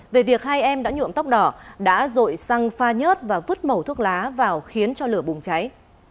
về việc hai em đã nhuộm tóc đỏ đã rội xăng pha nhớt và vứt màu thuốc lá vào khiến cho lửa bùng cháy